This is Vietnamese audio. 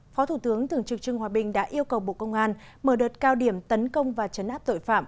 phó thủ tướng thường trực trương hòa bình đã yêu cầu bộ công an mở đợt cao điểm tấn công và chấn áp tội phạm